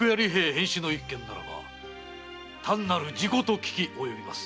変死の一件ならば単なる事故と聞き及びます。